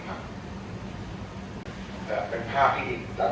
คุณพร้อมกับเต้ย